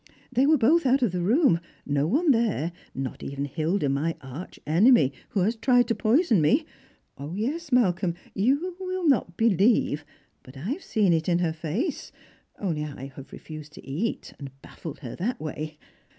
They were both out of the room — no one there, not even Hilda, my arch enemy, who has tried to poison me. Yes, Malcolm, you will not believe, but I have seen it in her face — only I have refused to eat, and bafiled her that way.